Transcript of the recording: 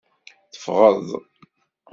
Teffɣeḍ.